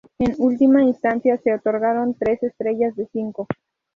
En última instancia, se otorgaron tres estrellas de cinco.